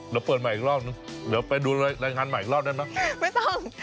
เดี๋ยวเปิดใหม่อีกรอบนึงเดี๋ยวไปดูรายงานใหม่อีกรอบได้ไหมไม่ต้อง